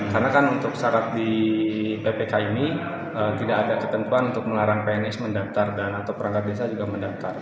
karena kan untuk syarat di ppk ini eee tidak ada ketentuan untuk melarang pns mendaftar dan atau perangkat desa juga mendaftar